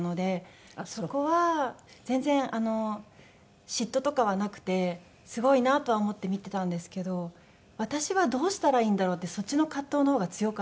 そこは全然嫉妬とかはなくてすごいなとは思って見てたんですけど私はどうしたらいいんだろうってそっちの葛藤の方が強かった。